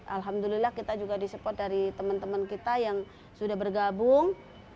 alhamdulillah kita juga di support dari teman teman kita yang sudah bergabung